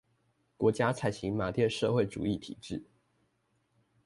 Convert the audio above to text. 國家採行馬列社會主義體制